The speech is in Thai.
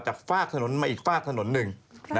ฝากถนนมาอีกฝากถนนหนึ่ง